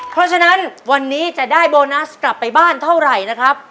เพราะฉะนั้นวันนี้จะได้โบนัสกลับไปบ้านเท่าไหร่นะครับ